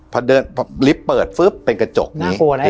พอเดินพอลิฟต์เปิดฟึ๊บเป็นกระจกนี้น่ากลัวไหม